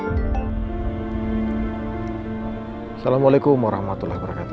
assalamualaikum warahmatullahi wabarakatuh